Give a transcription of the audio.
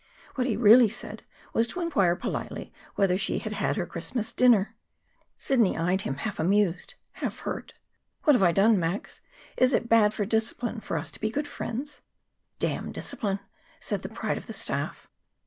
What he really said was to inquire politely whether she had had her Christmas dinner. Sidney eyed him, half amused, half hurt. "What have I done, Max? Is it bad for discipline for us to be good friends?" "Damn discipline!" said the pride of the staff.